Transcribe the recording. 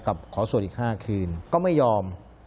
ขอสวดอีก๕คืนก็ไม่ยอม